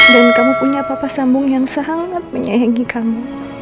dan kamu punya papa sambung yang sangat menyayangi kamu